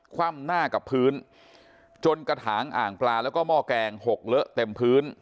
คว่ำหน้ากับพื้นจนกระถางอ่างปลาแล้วก็หม้อแกงหกเลอะเต็มพื้น